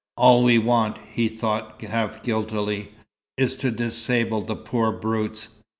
"All we want," he thought half guiltily, "is to disable the poor brutes.